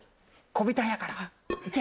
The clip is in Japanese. こびたんやから！